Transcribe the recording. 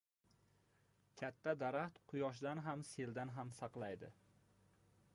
• Katta daraxt quyoshdan ham, seldan ham saqlaydi.